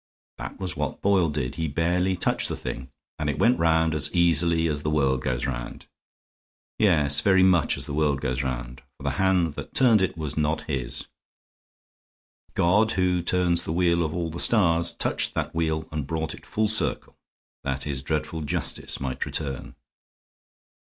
"That was what Boyle did; he barely touched the thing, and it went round as easily as the world goes round. Yes, very much as the world goes round, for the hand that turned it was not his. God, who turns the wheel of all the stars, touched that wheel and brought it full circle, that His dreadful justice might return."